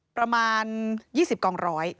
ประมาณ๒๐กองร้อย